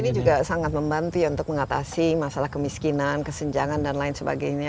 ini juga sangat membantu ya untuk mengatasi masalah kemiskinan kesenjangan dan lain sebagainya